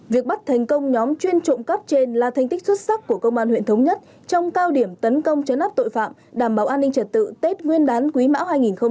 việc bắt thành công nhóm chuyên trộm cắp trên là thành tích xuất sắc của công an huyện thống nhất trong cao điểm tấn công chấn áp tội phạm đảm bảo an ninh trật tự tết nguyên đán quý mão hai nghìn hai mươi ba